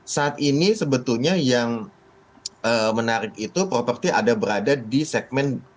saat ini sebetulnya yang menarik itu properti ada berada di segmen